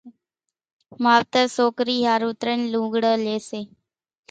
ماوتر سوڪري ۿارُو ترڃ لوڳڙان لئي سي